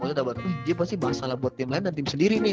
dia pasti masalah buat tim lain dan tim sendiri nih